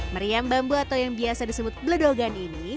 meriam bambu atau yang biasa disebut beledogan ini